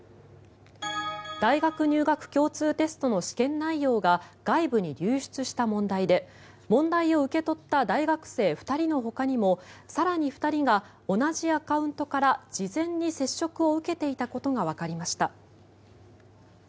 大学入学共通テストの試験内容が外部に流出した問題で問題を受け取った大学生２人のほかにも更に２人が同じアカウントから事前に接触を受けていたことがわかりました。